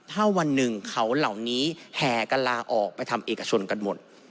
ถ้าวันหนึ่งเขาเหล่านี้แห่กันลาออกไปทำเอกชนกันหมด